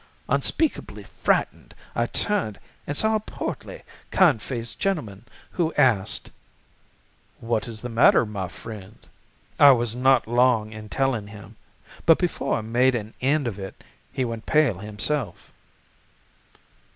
Unspeakably frightened, I turned and saw a portly, kind faced gentleman, who asked: "'What is the matter, my friend?' "I was not long in telling him, but before I made an end of it he went pale himself.